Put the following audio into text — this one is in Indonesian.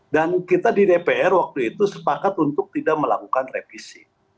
dan kita di dpr waktu itu sepakat untuk tidak melakukan revisi